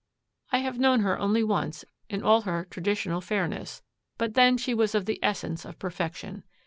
I have known her only once in all her traditional fairness, but then she was of the essence of perfection.